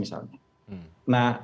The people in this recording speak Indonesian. dengan partai menengah misalnya